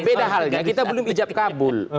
beda halnya kita belum ijab kabul